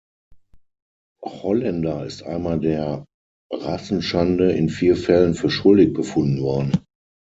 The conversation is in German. Holländer ist einmal der Rassenschande in vier Fällen für schuldig befunden worden.